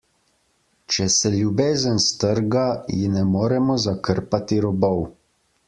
Če se ljubezen strga, ji ne moremo zakrpati robov.